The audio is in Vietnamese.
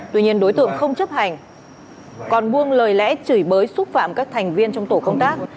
tuy nhiên đối tượng không chấp hành còn buông lời lẽ chửi bới xúc phạm các thành viên trong tổ công tác